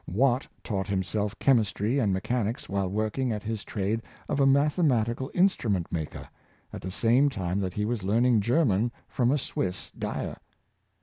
Watt taught him self chemistry and mechanics while working at his trade of a mathematical instrument maker, at the same time that he was learning German from a Swiss dyer.